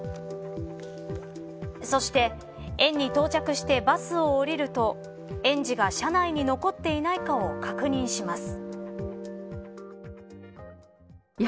そして園に到着してバスを降りると園児が車内に残っていないかを確認します。